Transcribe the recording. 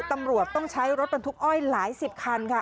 ตำรวจต้องใช้รถบรรทุกอ้อยหลายสิบคันค่ะ